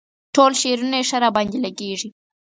ټول شعرونه یې ښه راباندې لګيږي.